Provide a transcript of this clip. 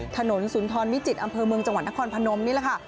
ถนนสุนทรวิจิตอำเภอเมืองจังหวัดนครพนมนี่แหละค่ะ